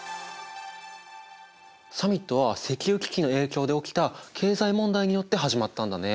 サミットは石油危機の影響で起きた経済問題によって始まったんだね。